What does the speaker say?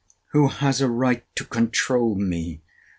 Who has a right to controul me?